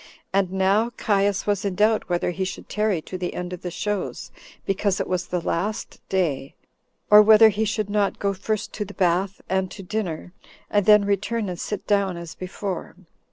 And now Caius was in doubt whether he should tarry to the end of the shows, because it was the last day, or whether he should not go first to the bath, and to dinner, and then return and sit down as before.